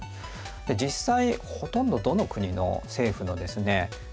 で実際ほとんどどの国の政府のですね